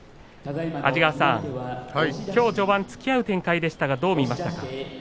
安治川さん、きょう序盤突き合う展開でしたねどうですか？